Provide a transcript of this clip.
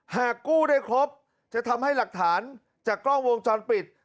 หากกู้ได้ครบจะทำให้หลักฐานจากกล้องวงจรปิด